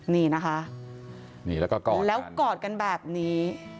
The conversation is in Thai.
นี่นะคะแล้วกอดกันแบบนี้